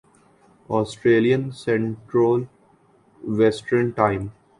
Australian central western time